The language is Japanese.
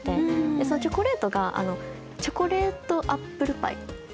でそのチョコレートがチョコレートアップルパイ。